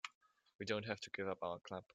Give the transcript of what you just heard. We don't have to give up our club.